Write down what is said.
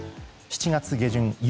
７月下旬